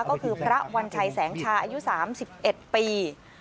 ก็คือพระวัญชัยแสงชาอายุ๓๑ปี